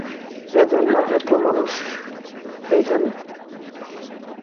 এইজন্য এত মানুষ এইখানে?